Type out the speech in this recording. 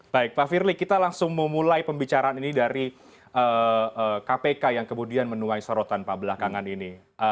baik pak firly kita langsung memulai pembicaraan ini dari kpk yang kemudian menuai sorotan pak belakangan ini